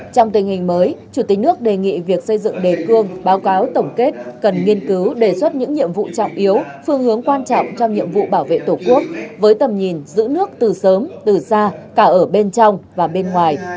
trong tình hình mới chủ tịch nước đề nghị việc xây dựng đề cương báo cáo tổng kết cần nghiên cứu đề xuất những nhiệm vụ trọng yếu phương hướng quan trọng trong nhiệm vụ bảo vệ tổ quốc với tầm nhìn giữ nước từ sớm từ xa cả ở bên trong và bên ngoài